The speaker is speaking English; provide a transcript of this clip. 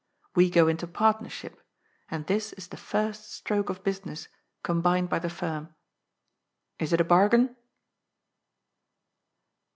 We go into partnership, and this is the first stroke of business combined by the firm. Is it a bargain